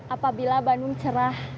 apabila bandung cerah